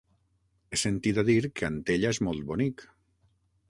He sentit a dir que Antella és molt bonic.